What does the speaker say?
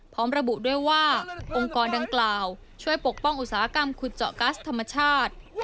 พร้อมระบุด้วยว่าองค์กรดังกล่าวช่วยปกป้องอุตสาหกรรมขุดเจาะกัสธรรมชาติ